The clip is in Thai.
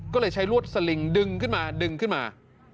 ก็เลยใช้ลวดสลิงดึงขึ้นมาดึงขึ้นมา